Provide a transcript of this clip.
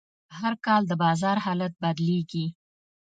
هر کال د بازار حالت بدلېږي.